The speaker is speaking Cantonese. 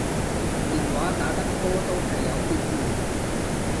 電話打得多都係有必要